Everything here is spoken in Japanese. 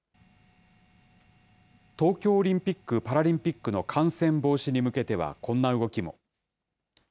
東京オリンピック・パラリンピックの感染防止に向けてはこんな動きも。